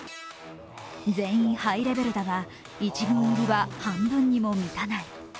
全員ハイレベルだが、１軍入りは半分にも満たない。